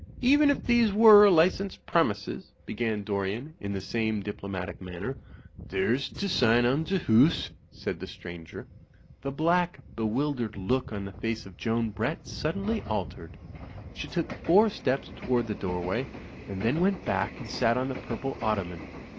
"Even if these were licensed premises," began Dor ian, in the same diplomatic manner. "There's t'sign on t'hoose," said the stranger. The black, bewildered look on the face of Joan Brett suddenly altered. She took four steps toward the doorway, and then went back and sat on the pur ple ottoman.